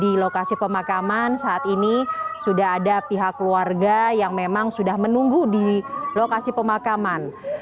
di lokasi pemakaman saat ini sudah ada pihak keluarga yang memang sudah menunggu di lokasi pemakaman